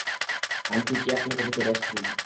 Aunty, কে আপনাকে ভিতরে আসতে দিল?